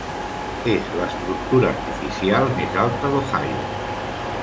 És l'estructura artificial més alta d'Ohio.